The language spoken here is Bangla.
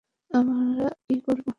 আমরা কী করব?